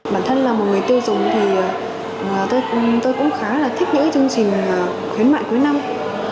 bản thân là một người tiêu dùng thì tôi cũng khá là thích những chương trình khuyến mại cuối năm